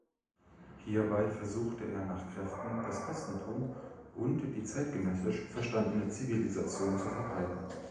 Hierbei versuchte er nach Kräften, das Christentum und die zeitgenössisch verstandene „Zivilisation“ zu verbreiten.